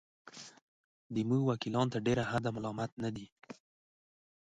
زموږ وکیلان تر ډېره حده ملامت نه دي.